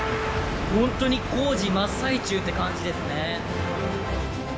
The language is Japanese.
本当に工事真っ最中って感じですね。